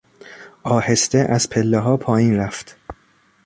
آهسته از پلهها پایین رفت.